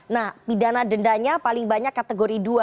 nah pidana dendanya paling banyak kategori dua